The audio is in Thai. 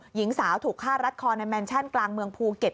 หญิงสาวถูกฆ่ารัดคอในแมนชั่นกลางเมืองภูเก็ต